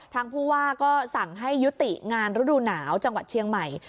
ทางผู้ว่าก็สั่งให้ยุติงานฤดูหนาวจังหวัดเชียงใหม่